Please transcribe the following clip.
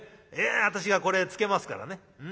いや私がこれ付けますからね。